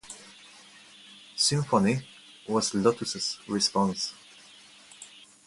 Symphony was Lotus' response.